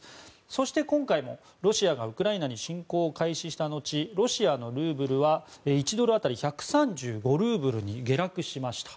そして今回もロシアがウクライナに侵攻を開始した後ロシアのルーブルは１ドル当たり１３５ルーブルに下落しました。